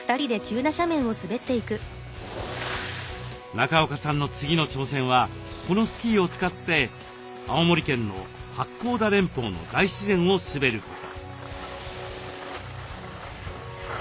中岡さんの次の挑戦はこのスキーを使って青森県の八甲田連峰の大自然を滑ること。